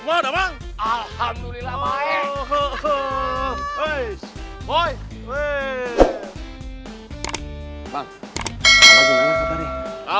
apa gimana kak tadi